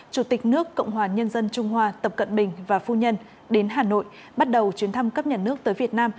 chủ tịch nước cộng hòa nhân dân trung hoa tập cận bình và phu nhân đến hà nội bắt đầu chuyến thăm cấp nhà nước tới việt nam